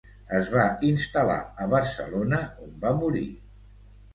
Es va instal·lar a Barcelona on va morir.